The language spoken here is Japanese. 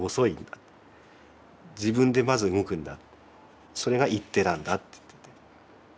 自分でまず動くんだってそれが「行ッテ」なんだって言ってて。